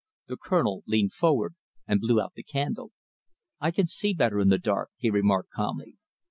The Colonel leaned forward and blew out the candle. "I can see better in the dark," he remarked calmly.